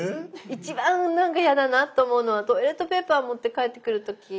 一番なんか嫌だなと思うのはトイレットペーパー持って帰ってくる時。